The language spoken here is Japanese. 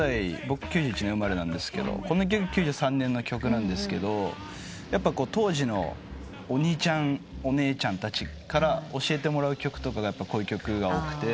僕９１年生まれでこの曲９３年の曲なんですけど当時のお兄ちゃんお姉ちゃんたちから教えてもらう曲とかがこういう曲が多くて。